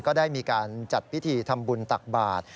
ก็ได้จัดพิธีทำบุญตักบาตร